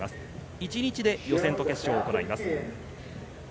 １日で予選と決勝が行われます。